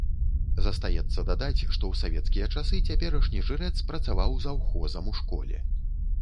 Застаецца дадаць, што ў савецкія часы цяперашні жрэц працаваў заўхозам у школе.